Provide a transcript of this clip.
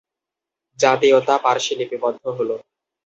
জাতীয়তা পার্শ্বে লিপিবদ্ধ হল